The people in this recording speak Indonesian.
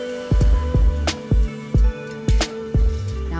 jangan lupa untuk berlangganan